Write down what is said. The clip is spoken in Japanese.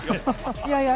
いやいや。